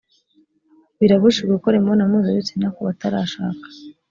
birabujijwe gukora imibonano mpuzabitsina ku batarashaka